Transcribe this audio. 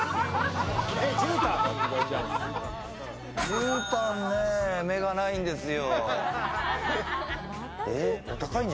じゅうたんね目がないんですよ。